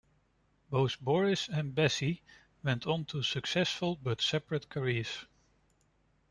Both Boris and Bessie went on to successful but separate careers.